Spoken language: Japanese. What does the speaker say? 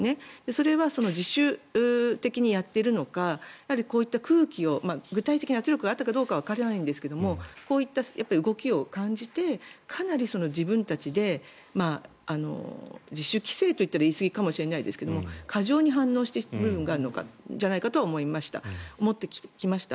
それは自主的にやっているのかこういった空気を具体的な圧力があったかどうかはわからないんですがこういった動きを感じてかなり自分たちで自主規制と言ったら言いすぎかもしれませんが過剰に反応している部分があるんじゃないかとは思ってきました。